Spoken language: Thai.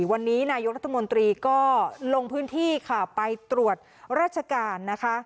วันนี้นายกรัฐมนตรีก็ลงพื้นที่ค่ะไปตรวจราชการนะคะ